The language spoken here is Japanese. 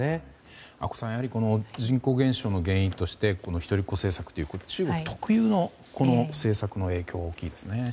阿古さん人口減少の原因として一人っ子政策という中国特有のこの政策の影響は大きいですね。